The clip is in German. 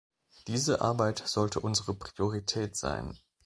Diese Arbeit sollte unsere Priorität sein.